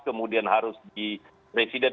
kemudian harus di residen